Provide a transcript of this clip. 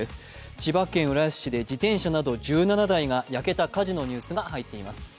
千葉県浦安市で自転車など１７台が焼けた火事のニュースが入っています。